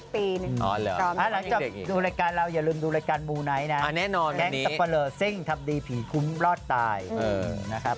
แพทย์ครับพี่ก้องหรอ